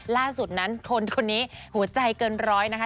ล่าสุดนั้นคนคนนี้หัวใจเกินร้อยนะคะ